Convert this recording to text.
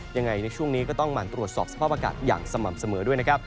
ในช่วงนี้ก็ต้องหมั่นตรวจสอบสภาพอากาศอย่างสม่ำเสมอด้วยนะครับ